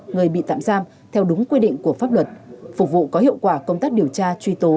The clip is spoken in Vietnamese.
người bị tạm giam theo đúng quy định của pháp luật phục vụ có hiệu quả công tác điều tra truy tố